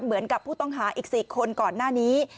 เหมือนกับผู้ต้องหาอีก๔คนก่อนหน้านี้